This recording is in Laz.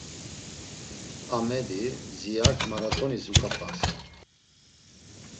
Amedi Ziyak maratonis uǩapasen.